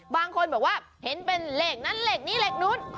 บางคนบอกว่าเห็นเป็นเลขนั้นเลขนี้เหล็กนู้น